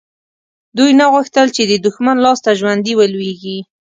دوی نه غوښتل چې د دښمن لاسته ژوندي ولویږي.